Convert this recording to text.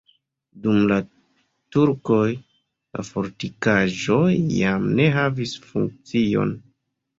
Dum la turkoj la fortikaĵo jam ne havis funkcion.